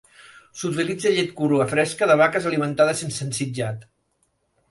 S'utilitza llet crua fresca de vaques alimentades sense ensitjat.